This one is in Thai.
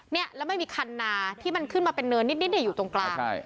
เนี่ยแล้วไม่มีคันนาที่มันขึ้นมาเป็นเนินนิดเนี่ยอยู่ตรงกลางใช่